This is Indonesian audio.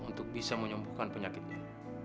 untuk bisa menyembuhkan penyakitnya